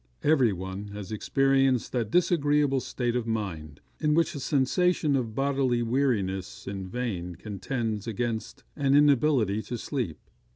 Every one has experienced that disagreeable state of mind, in which a sensation of bodily weariness in vain contends against an inability to sleep.